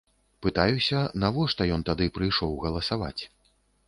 Пытаюся, навошта ён тады прыйшоў галасаваць.